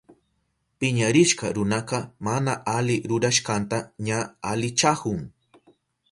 Piñarishka runaka mana ali rurashkanta ña alichahun.